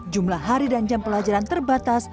jumlah hari dan jam pelajaran terbatas